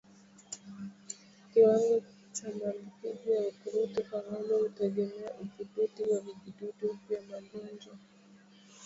Kiwango cha maambukizi ya ukurutu kwa ngombe hutegemea udhibiti wa vijidudu vya magonjwa